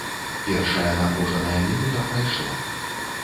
Першая напружаная мінута прайшла.